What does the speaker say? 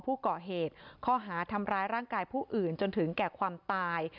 ผู้ก่อเหตุข้อหาทำร้ายร่างกายผู้อื่นจนถึงแก่ความตาย